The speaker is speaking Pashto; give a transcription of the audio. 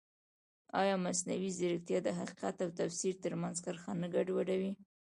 ایا مصنوعي ځیرکتیا د حقیقت او تفسیر ترمنځ کرښه نه ګډوډوي؟